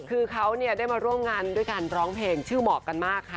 คือเขาได้มาร่วมงานด้วยการร้องเพลงชื่อเหมาะกันมากค่ะ